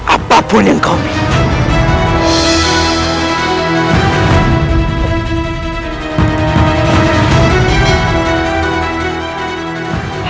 apapun yang kau minta